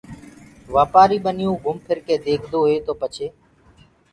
وآپآري ٻنيو ڪو گھم ڦر ڪي ديکدوئي تو پڇي